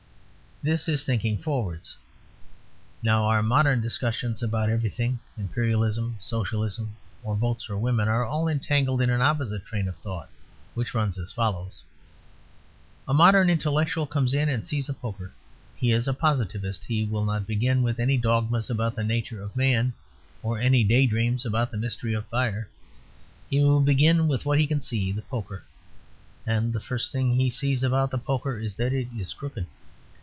This is thinking forwards. Now our modern discussions about everything, Imperialism, Socialism, or Votes for Women, are all entangled in an opposite train of thought, which runs as follows: A modern intellectual comes in and sees a poker. He is a positivist; he will not begin with any dogmas about the nature of man, or any day dreams about the mystery of fire. He will begin with what he can see, the poker; and the first thing he sees about the poker is that it is crooked.